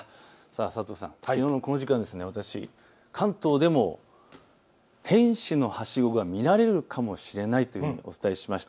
佐藤さん、きのうのこの時間私、関東でも天使のはしごは見られないとお伝えしました。